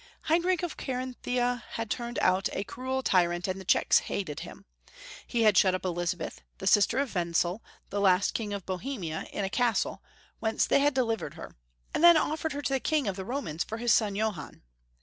Heinrich of Carinthia had turned out a cruel tyrant, and the Czechs hated him. He had shut up Elizabeth, the sister of Wenzel, the last king of Bohemia, in a castle, whence they had delivered her, and then offered her to the King of the Romans for his son Johann.